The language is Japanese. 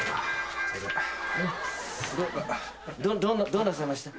どうなさいました？